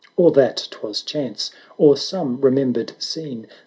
Or that 'twas chance — or some remem bered scene.